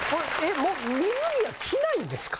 もう水着は着ないんですか？